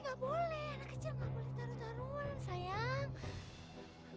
gak boleh anak kecil gak boleh tarun tarun sayang